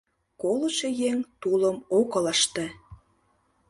Колышо еҥ тулым ок ылыжте.